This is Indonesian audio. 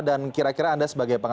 dan kira kira anda sebagai pengantinnya